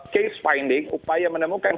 case finding upaya menemukan